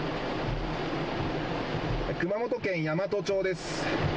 熊本県山都町です。